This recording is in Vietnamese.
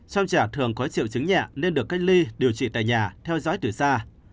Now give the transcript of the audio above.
sau trẻ thường có triệu chứng nhẹ nên được cách ly điều trị tại nhà theo dõi từ xa